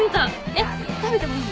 えっ食べてもいい？